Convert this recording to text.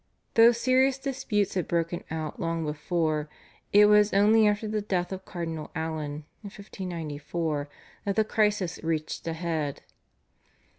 Though serious disputes had broken out long before, it was only after the death of Cardinal Allen in 1594 that the crisis reached a head.